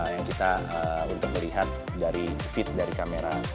yang kita untuk melihat dari feed dari kamera